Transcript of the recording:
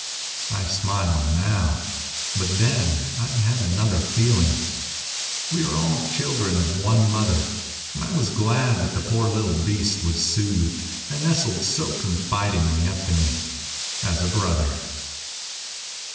I smile now ... but then I had another feeling. We are all children of one mother, and I was glad that the poor little beast was soothed and nestled so confidingly up to me, as to a brother.